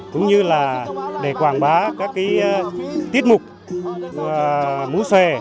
cũng như là để quảng bá các cái tiết mục mũ xòe